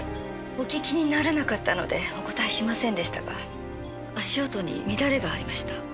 お聞きにならなかったのでお答えしませんでしたが足音に乱れがありました。